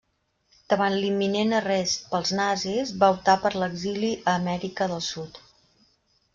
Davant l'imminent arrest pels nazis, va optar per l'exili a Amèrica del Sud.